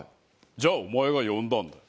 じゃあお前が呼んだんだよ。